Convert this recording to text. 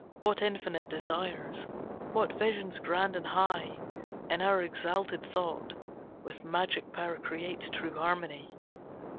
What infinite desires, What visions grand and high, In our exalted thought, With magic power creates, true harmony!